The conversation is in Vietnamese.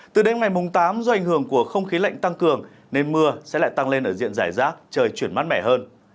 từ đêm ngày tám do ảnh hưởng của không khí lạnh tăng cường nên mưa sẽ lại tăng lên ở diện giải rác trời chuyển mát mẻ hơn